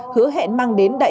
hứa hẹn mang đến các bạn